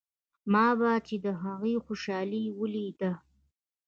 ما به چې د هغې خوشالي وليده.